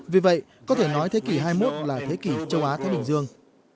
vì vậy có thể nói thế kỷ hai mươi một là thế kỷ châu á thái bình dương